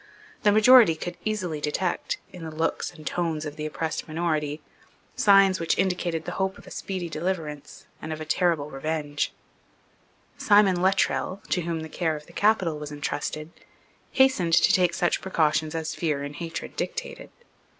The majority could easily detect, in the looks and tones of the oppressed minority, signs which indicated the hope of a speedy deliverance and of a terrible revenge. Simon Luttrell, to whom the care of the capital was entrusted, hastened to take such precautions as fear and hatred dictated.